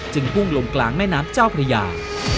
พุ่งลงกลางแม่น้ำเจ้าพระยา